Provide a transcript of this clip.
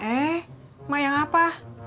eh mak yang apa